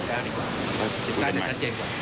กล้าจะชัดเจนก่อน